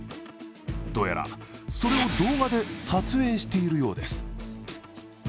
どうやら、それを動画で撮影しているようです。